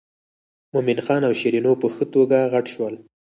مومن خان او شیرینو په ښه توګه غټ شول.